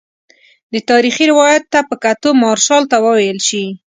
دې تاریخي روایت ته په کتو مارشال ته وویل شي.